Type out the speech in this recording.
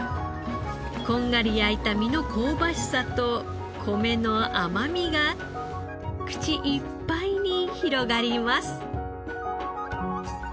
こんがり焼いた身の香ばしさと米の甘みが口いっぱいに広がります。